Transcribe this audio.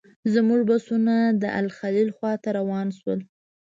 زموږ بسونه د الخلیل خواته روان شول.